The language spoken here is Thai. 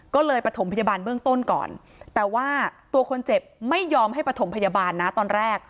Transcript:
ก็เลยประถมพยาบาลเบื้องต้นก่อนแต่ว่าตัวคนเจ็บไม่ยอมให้ประถมพยาบาลนะตอนแรก